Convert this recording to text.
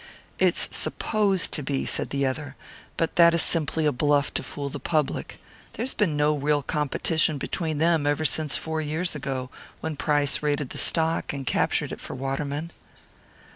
"It is supposed to be," said the other. "But that is simply a bluff to fool the public. There has been no real competition between them ever since four years ago, when Price raided the stock and captured it for Waterman."